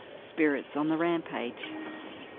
SPIRITS ON THE RAMPAGE.